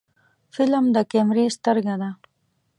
فلم د کیمرې سترګه ده